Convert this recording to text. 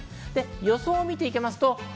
予想を見ていきます。